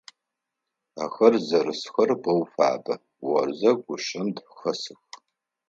Ахэр зэрысхэр боу фабэ, орзэ гъушъэм хэсых.